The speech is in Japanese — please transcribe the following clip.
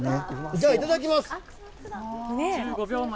じゃあ、いただきます。